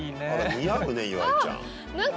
似合うね岩井ちゃん。